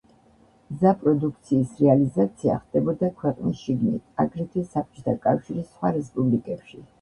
მზა პროდუქციის რეალიზაცია ხდებოდა ქვეყნის შიგნით, აგრეთვე საბჭოთა კავშირის სხვა რესპუბლიკებში.